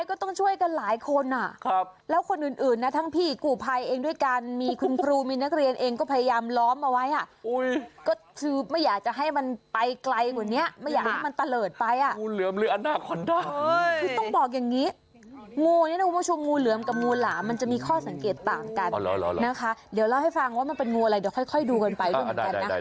โอ้โหใกล้สานโอ้โหโอ้โหโอ้โหโอ้โหโอ้โหโอ้โหโอ้โหโอ้โหโอ้โหโอ้โหโอ้โหโอ้โหโอ้โหโอ้โหโอ้โหโอ้โหโอ้โหโอ้โหโอ้โหโอ้โหโอ้โหโอ้โหโอ้โหโอ้โหโอ้โหโอ้โหโอ้โหโอ้โหโอ้โหโอ้โหโอ้โหโอ้โหโอ้โหโอ้โหโอ้โ